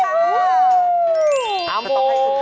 อาวุธ